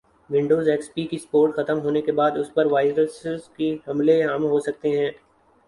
Windows X P کی support ختم ہونے کی بعد اس پر وائرسز کے حملے عام ہوسکتے ہیں